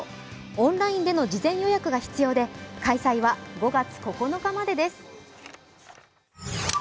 オンラインでの事前予約が必要で開催は５月９日までです。